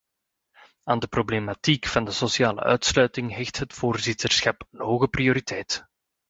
Aan de problematiek van de sociale uitsluiting hecht het voorzitterschap een hoge prioriteit.